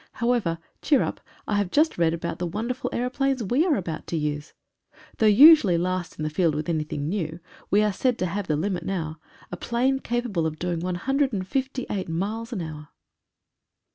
However, cheer up, I have just read about the wonderful aeroplanes we are about to use. Though usually last in the field with anything new, we are said to have the limit now — a plane capable of doing 158 miles an hour.